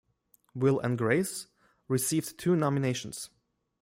"Will and Grace" received two nominations.